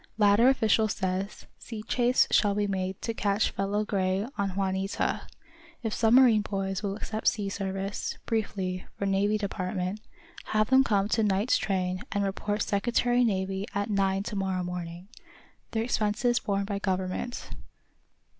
Latter official says sea chase shall be made to catch fellow Gray on 'Juanita.' If submarine boys will accept sea service, briefly, for Navy Department, have them come to night's train and report Secretary Navy at nine to morrow morning. Their expenses borne by government."